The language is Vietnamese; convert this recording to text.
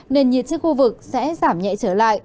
nền nhiệt trên khu vực sẽ giảm nhẹ trở lại